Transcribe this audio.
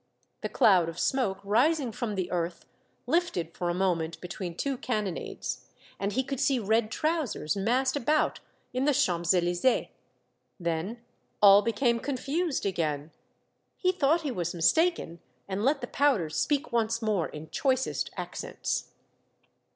The cloud of smoke rising from the earth lifted for a moment between two cannonades, and he could see red trousers massed about in the Champs Elysees. Then all became confused again. He thought he was mistaken, and let the powder speak once more in choicest accents.